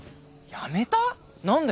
やめた！？何で？